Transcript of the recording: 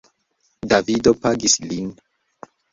Davido pagis lin.